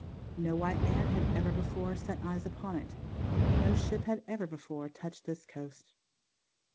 No white man had ever before set eyes upon it. No ship had ever before touched this coast.